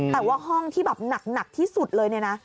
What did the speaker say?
แต่ว่าห้องที่แบบหนักที่สุดเลยเนี่ยนะ